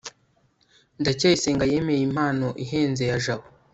ndacyayisenga yemeye impano ihenze ya jabo